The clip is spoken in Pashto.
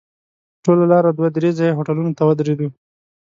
په ټوله لاره دوه درې ځایه هوټلونو ته ودرېدو.